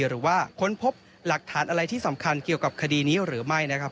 หรือว่าค้นพบหลักฐานอะไรที่สำคัญเกี่ยวกับคดีนี้หรือไม่นะครับ